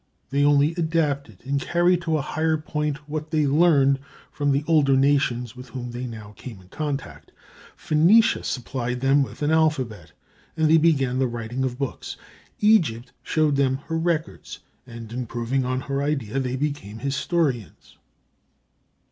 They only adapted and carried to a higher point what they learned from the older nations with whom they now came in contact. Phoenicia supplied them with an alphabet, and they began the writing of books. Egypt showed them her records, and, improving on her idea, they became historians.